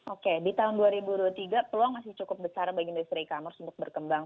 oke di tahun dua ribu dua puluh tiga peluang masih cukup besar bagi industri e commerce untuk berkembang